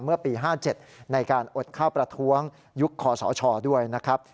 เมื่อปี๕๗ในการอดข้าวประท้วงยุคคอสชด้วยนะครับ